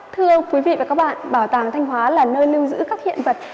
thưa quý vị và các bạn bảo tàng thanh hóa là nơi lưu giữ các hiện vật